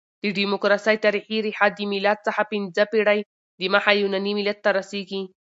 د ډیموکراسۍ تاریخي ریښه د مېلاد څخه پنځه پېړۍ دمخه يوناني ملت ته رسیږي.